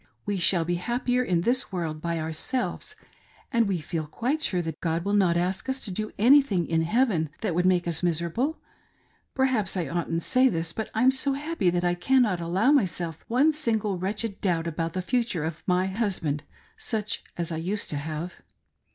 We shall be happi, er in this world by ourselves, and we feel quite sure that God will not ask us to do anything in heaven that would make us miserable. Perhaps I oughtn't to say this, but I'm so happy that I cannot allow myself one single wretched doubt about the future or my husband, such as I used to have.